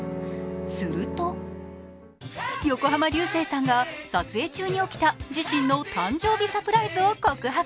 すると横浜流星さんが撮影中に起きた自身の誕生日サプライズを告白。